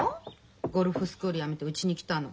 ゴルフスクールやめてうちに来たの。